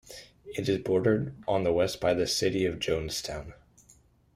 It is bordered on the west by the city of Johnstown.